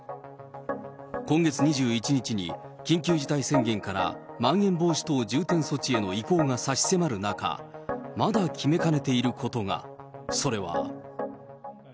今月２１日に、緊急事態宣言からまん延防止等重点措置への移行が差し迫る中、まだ決めかねていることが、それは。